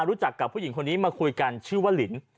รู้จักกับผู้หญิงคนนี้มาคุยกันชื่อว่าลิน